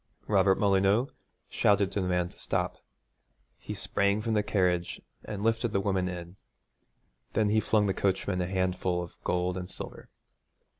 Robert Molyneux shouted to the man to stop. He sprang from the carriage and lifted the woman in. Then he flung the coachman a handful of gold and silver.